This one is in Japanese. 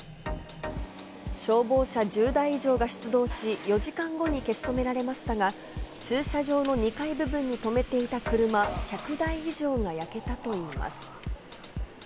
消防車１０台以上が出動し、４時間後に消し止められましたが、駐車場の２階部分に停めていた車１００台以上が焼けたといいます。